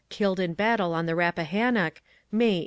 Killed in Battle on the Rappahannock, May, 1863."